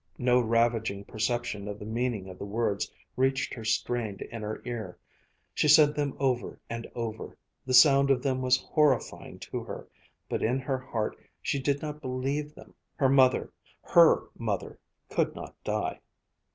No ravaging perception of the meaning of the words reached her strained inner ear. She said them over and over, the sound of them was horrifying to her, but in her heart she did not believe them. Her mother, her mother could not die!